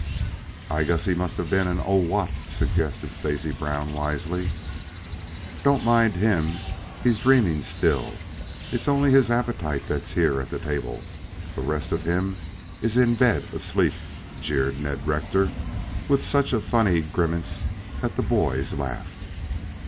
"I guess he must have been an 'Or What,'" suggested Stacy Brown wisely. "Don't mind him. He's dreaming still. It's only his appetite that's here at the table. The rest of him is in bed asleep," jeered Ned Rector, with such a funny grimace that the boys laughed.